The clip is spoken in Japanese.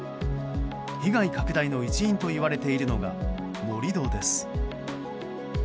被害拡大の一因といわれているのが盛り土です。